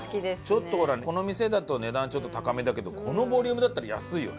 ちょっとほらこの店だと値段ちょっと高めだけどこのボリュームだったら安いよね。